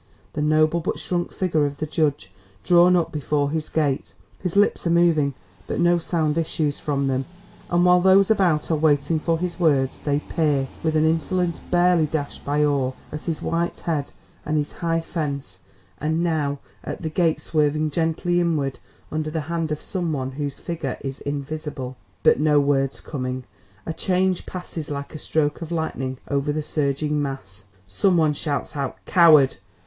The noble but shrunk figure of the judge drawn up before his gate. His lips are moving, but no sound issues from them; and while those about are waiting for his words, they peer, with an insolence barely dashed by awe, at his white head and his high fence and now at the gate swerving gently inward under the hand of some one whose figure is invisible. But no words coming, a change passes like a stroke of lightning over the surging mass. Some one shouts out COWARD!